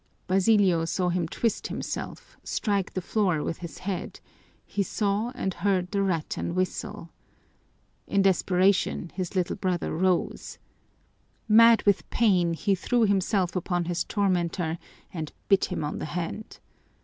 Basilio saw him twist himself, strike the floor with his head, he saw and heard the rattan whistle. In desperation his little brother rose. Mad with pain he threw himself upon his tormentor and bit him on the hand.